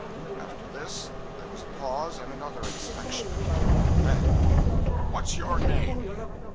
After this there was a pause and another inspection. Then 'What's your name?'